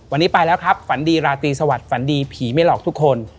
วันนี้ไปแล้วครับฝันดีราตรีสวัสดิฝันดีผีไม่หลอกทุกคน